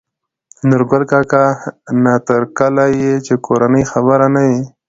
نورګل کاکا : نه تر کله يې چې کورنۍ خبره نه وي